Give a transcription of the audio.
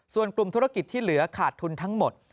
ส่วนกลุ่มธุรกิจที่เหลือขาดทุนทั้งหมด